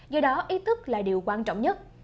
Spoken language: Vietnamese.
do đó ý tức là điều quan trọng nhất